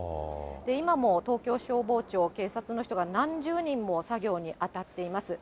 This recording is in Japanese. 今も東京消防庁、警察の人が、何十人も作業に当たっています。